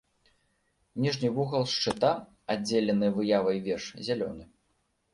Ніжні вугал шчыта, аддзелены выявай веж, зялёны.